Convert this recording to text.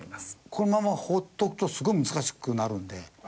このまま放っておくとすごい難しくなるので。